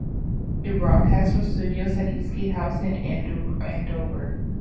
It broadcasts from studios at Eastgate House in Andover.